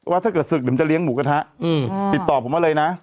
ถ้าเกิดศึกเดี๋ยวผมจะเลี้ยหมูกระทะติดต่อผมมาเลยนะ